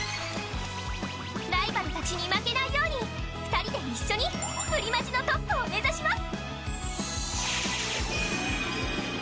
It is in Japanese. ライバルたちに負けないように２人で一緒にプリマジのトップを目指します！